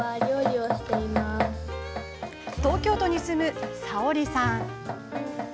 東京都に住む佐織さん。